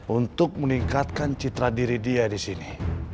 untuk meningkatkan citra diri dia disini